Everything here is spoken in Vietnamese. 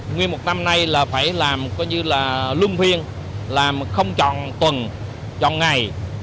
năm nay là phải làm coi như là lung viên làm không chọn tuần chọn ngày